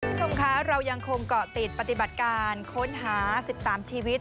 คุณผู้ชมคะเรายังคงเกาะติดปฏิบัติการค้นหา๑๓ชีวิต